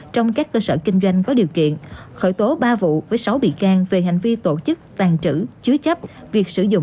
trong các cơ sở kinh doanh có điều kiện khởi tố ba vụ với sáu bị can về hành vi tổ chức tàn trữ